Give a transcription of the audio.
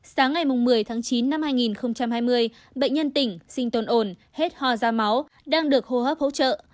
sáng ngày một mươi chín hai nghìn hai mươi bệnh nhân tỉnh sinh tồn ồn hết hò da máu đang được hô hấp hỗ trợ